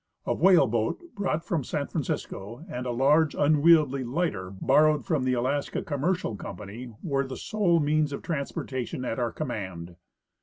A whale boat brought from San Francisco and a large, unwieldly lighter borrowed from the Alaska Commercial company were the sole means of transportation at our command.